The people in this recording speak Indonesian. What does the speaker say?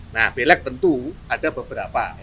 nah pilek tentu ada beberapa